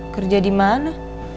kerja di mana